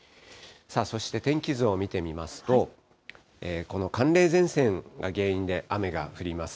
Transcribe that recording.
そして、天気図を見てみますと、この寒冷前線が原因で雨が降ります。